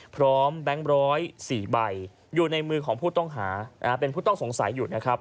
พร้อมแบงค์ร้อย๔ใบอยู่ในมือของผู้ต้องหาเป็นผู้ต้องสงสัยอยู่